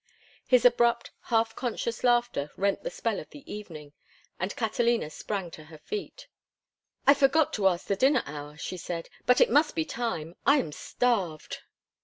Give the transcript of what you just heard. His abrupt, half conscious laughter rent the spell of the evening, and Catalina sprang to her feet. "I forgot to ask the dinner hour," she said. "But it must be time. I am starved."